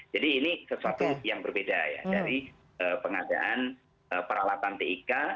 jadi ini sesuatu yang berbeda ya dari pengadaan peralatan tik